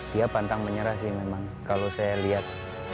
dia pantang menyerah sih memang kalau saya lihat